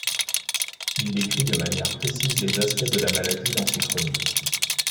Il décrit de manière précise les aspects de la maladie dans ses chroniques.